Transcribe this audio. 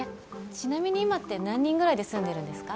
ちなみに今って何人ぐらいで住んでるんですか？